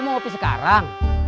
lu mau kopi sekarang